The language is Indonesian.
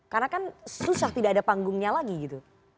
karena kan susah tidak ada panggungnya lagi gitu